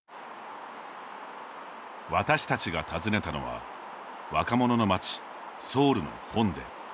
私たちが訪ねたのは若者の街・ソウルのホンデ。